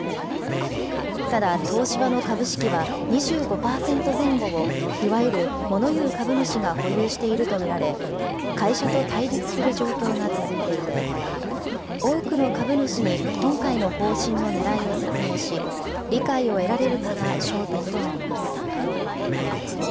ただ東芝の株式は、２５％前後をいわゆるモノ言う株主が保有していると見られ、会社と対立する状況が続いていて、多くの株主に今回の方針のねらいを説明し、理解を得られるかが焦点となります。